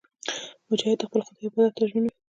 مجاهد د خپل خدای عبادت ته ژمن وي.